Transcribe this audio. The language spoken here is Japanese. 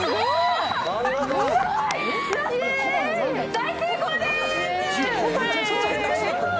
大成功でーす！